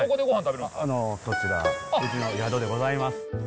そちらうちの宿でございます。